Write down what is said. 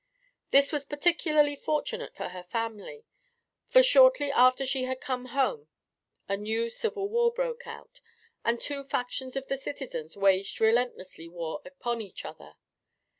This was particularly fortunate for her family, for shortly after she had come home a new civil war broke out, and two factions of the citizens waged relentless war upon each other.